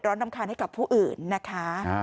เดือดร้อนน้ำคาญให้กับผู้อื่นนะคะ